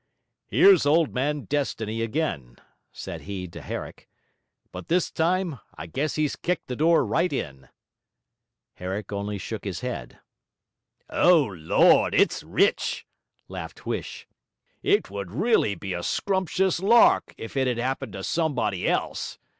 'Here's Old Man Destiny again,' said he to Herrick, 'but this time I guess he's kicked the door right in.' Herrick only shook his head. 'O Lord, it's rich!' laughed Huish. 'It would really be a scrumptious lark if it 'ad 'appened to somebody else!